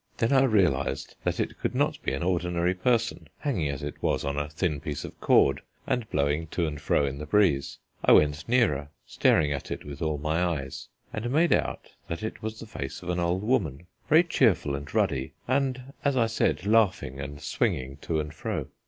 Then I realized that it could not be an ordinary person, hanging as it was on a thin bit of cord and blowing to and fro in the breeze. I went nearer, staring at it with all my eyes, and made out that it was the face of an old woman, very cheerful and ruddy, and, as I said, laughing and swinging to and fro.